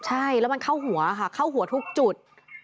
ใช่แล้วมันเข้าหัวค่ะเข้าหัวทุกจุด